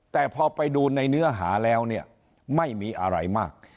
แต่พอไปดูในเนื้อหาแล้วเนี่ยไม่มีอะไรมาก